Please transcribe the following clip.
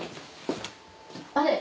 あれ？